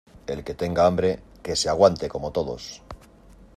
el que tenga hambre, que se aguante como todos.